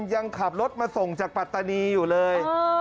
ยังขับรถมาส่งจากปัตตานีอยู่เลย